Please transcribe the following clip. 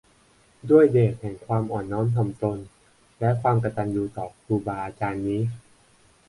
ด้วยเดชแห่งความอ่อนน้อมถ่อมตนและความกตัญญูต่อครูบาอาจารย์นี้